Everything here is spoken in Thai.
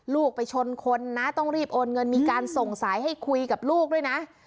ลูกไปชนคนนะต้องรีบโอนเงินมีการส่งสายให้คุยกับลูกด้วยนะ